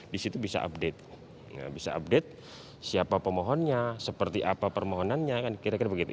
di situ bisa update siapa pemohonnya seperti apa permohonannya kira kira begitu